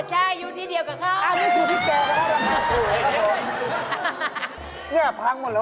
ใช่อยู่ที่เดียวกับเขา